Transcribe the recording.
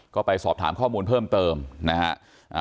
ก็ไปสอบถามข้อมูลเพิ่มเติมนะฮะ